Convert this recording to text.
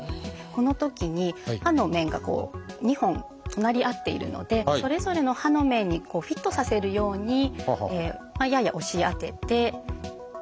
このときに歯の面がこう２本隣り合っているのでそれぞれの歯の面にフィットさせるようにやや押し当てて５往復。